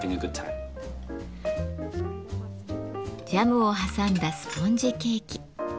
ジャムを挟んだスポンジケーキ。